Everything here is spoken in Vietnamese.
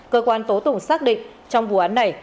cơ quan tố tụng xác định trong vụ án này